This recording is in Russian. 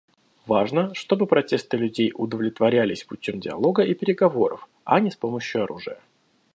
Важно, чтобы протесты людей удовлетворялись путем диалога и переговоров, а не с помощью оружия.